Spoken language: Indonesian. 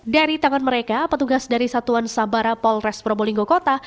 dari tangan mereka petugas dari satuan sabara polres probolinggo kota